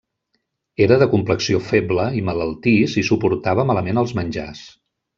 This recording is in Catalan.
Era de complexió feble i malaltís i suportava malament els menjars.